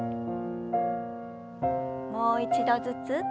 もう一度ずつ。